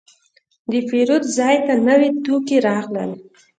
د پیرود ځای ته نوي توکي راغلل.